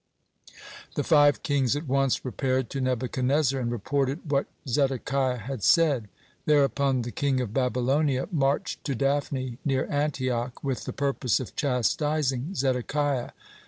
The five kings at once repaired to Nebuchadnezzar, and reported what Zedekiah had said. Thereupon the king of Babylonia marched to Daphne, near Antioch, with the purpose of chastising Zedekiah.